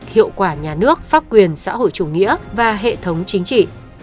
hiệu quả nhà nước pháp quyền xã hội chủ nghĩa và hệ thống chính trị